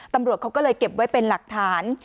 ตำรวจเขาก็เลยเก็บไว้เป็นหลักฐาน